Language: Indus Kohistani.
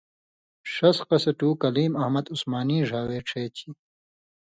ݜس قصٹُو کلیم احمد عُثمانی ڙھاوے ڇِہے چھی